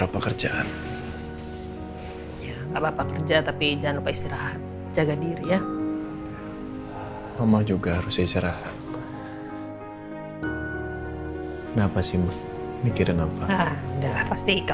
aku juga gak mau kehilangan orang yang baik kayak dia